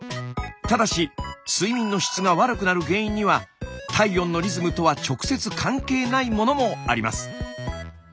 ただし睡眠の質が悪くなる原因には体温のリズムとは直接関係ないものもあります。